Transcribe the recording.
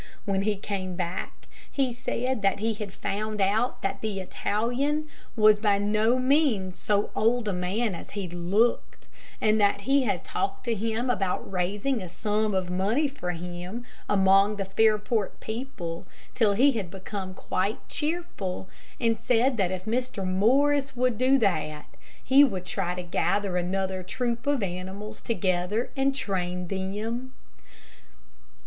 When he came back, he said that he had found out that the Italian was by no means so old a man as he looked, and that he had talked to him about raising a sum of money for him among the Fairport people, till he had become quite cheerful, and said that if Mr. Morris would do that, he would try to gather another troupe of animals together and train them.